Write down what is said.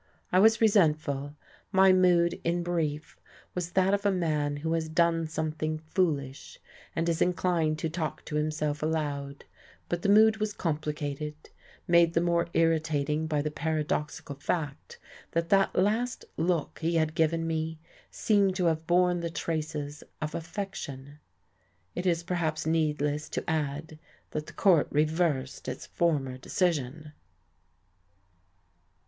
I was resentful; my mood, in brief, was that of a man who has done something foolish and is inclined to talk to himself aloud: but the mood was complicated, made the more irritating by the paradoxical fact that that last look he had given me seemed to have borne the traces of affection.... It is perhaps needless to add that the court reversed its former decision.